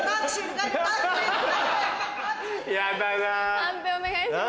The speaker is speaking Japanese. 判定お願いします。